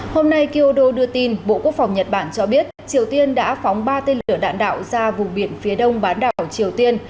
hôm nay kyodo đưa tin bộ quốc phòng nhật bản cho biết triều tiên đã phóng ba tên lửa đạn đạo ra vùng biển phía đông bán đảo triều tiên